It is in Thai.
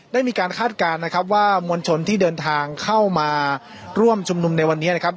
มีการคาดการณ์นะครับว่ามวลชนที่เดินทางเข้ามาร่วมชุมนุมในวันนี้นะครับ